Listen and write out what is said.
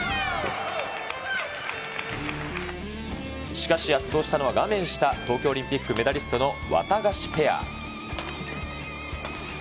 しかし圧倒したのは画面下、東京オリンピックメダリストのワタガシペア。